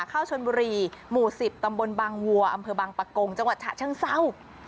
เข้าชนบุรีหมู่๑๐ตำบลบางวัวอำเภอบางปะกงจังหวัดฉะเชิงเศร้า